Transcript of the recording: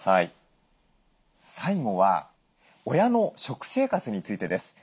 最後は親の食生活についてです。